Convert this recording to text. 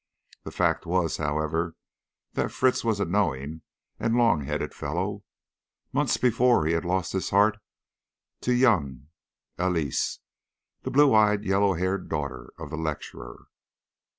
The fact was, however, that Fritz was a knowing and long headed fellow. Months before he had lost his heart to young Elise, the blue eyed, yellow haired daughter of the lecturer.